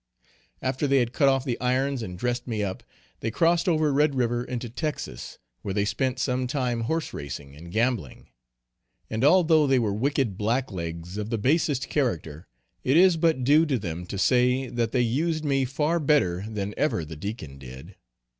After they had cut off the irons and dressed me up, they crossed over Red River into Texas, where they spent some time horse racing and gambling; and although they were wicked black legs of the basest character, it is but due to them to say, that they used me far better than ever the Deacon did.